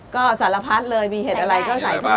ก็สารพัดเลยมีเห็ดอะไรก็ใส่ได้